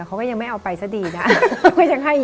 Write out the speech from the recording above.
เขาก็ยังไม่เอาไปซะดีนะ